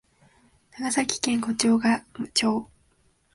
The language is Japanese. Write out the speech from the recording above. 長崎県小値賀町